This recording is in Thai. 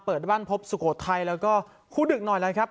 เปิดบ้านพบสุโขทัยแล้วก็คู่ดึกหน่อยแล้วครับ